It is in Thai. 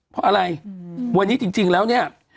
เพราะอะไรวันนี้จริงแล้วเนี่ย